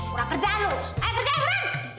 udah kerjaan lo ayo kerjain beran